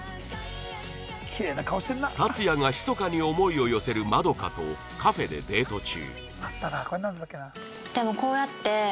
タツヤがひそかに思いを寄せるマドカとカフェでデート中